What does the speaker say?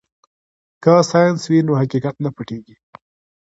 که ساینس وي نو حقیقت نه پټیږي.